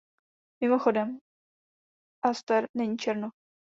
Mimochodem, Aster není černoch.